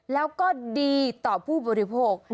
แล้วก็ดีต่อผู้บริโภค